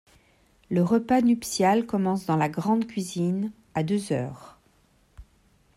Le repas nuptial commence dans la grande cuisine à deux heures.